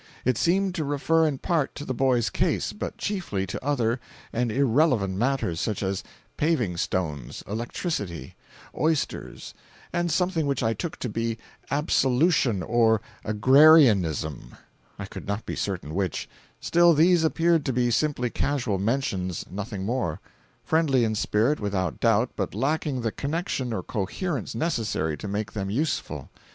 It seemed to refer in part to the boy's case, but chiefly to other and irrelevant matters—such as paving stones, electricity, oysters, and something which I took to be 'absolution' or 'agrarianism,' I could not be certain which; still, these appeared to be simply casual mentions, nothing more; friendly in spirit, without doubt, but lacking the connection or coherence necessary to make them useful.